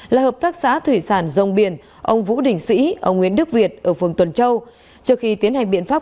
là hợp phát xã thủy sản dông biển ông vũ đình sĩ ông nguyễn đức việt ở phường tuần châu